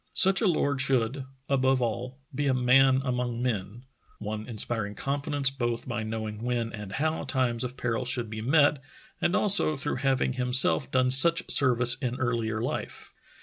Such a lord should, above all, be a man among men — one inspiring confidence both by knowing when and how times of peril should be met and also through having himself done such service in earlier life.